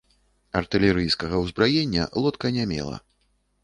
Артылерыйскага ўзбраення лодка не мела.